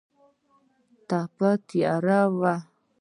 تپه تیاره وه.